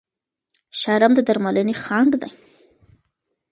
شرم د درملنې خنډ دی.